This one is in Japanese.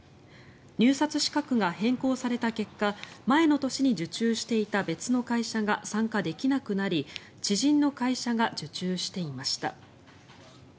入札資格が変更された結果前の年に受注していた別の会社が参加できなくなり知人の会社が受注していました。